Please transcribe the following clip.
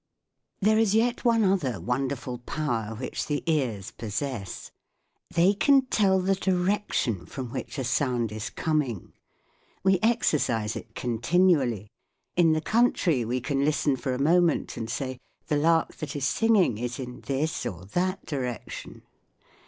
There is yet one other wonderful power which the ears possess : they can tell the direction from which a sound is coming. We exercise it continually. In the country we can listen for a moment and say, "The lark that is singing is in this or that direction."